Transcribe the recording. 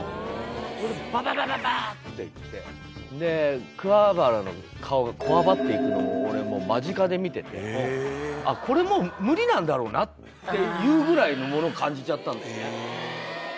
でバババババッて行ってで桑原の顔がこわばっていくのも俺間近で見ててこれもう。っていうぐらいのものを感じちゃった。